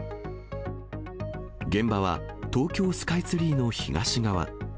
現場は東京スカイツリーの東側。